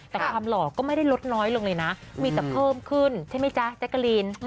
แต่ความหล่อก็ไม่ได้ลดน้อยลงเลยนะมีแต่เพิ่มขึ้นใช่ไหมจ๊ะแจ๊กกะลีน